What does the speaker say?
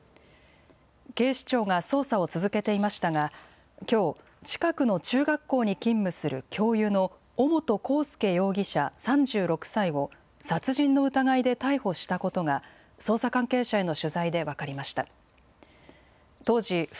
警視庁が捜査を続けていましたが、きょう、近くの中学校に勤務する教諭の尾本幸祐容疑者３６歳を殺人の疑いで逮捕したことが、捜査関係者への取材で分かりました。